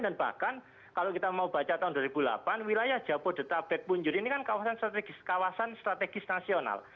dan bahkan kalau kita mau baca tahun dua ribu delapan wilayah japo detabek punjur ini kan kawasan strategis nasional